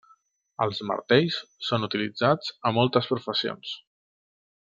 Els martells són utilitzats a moltes professions.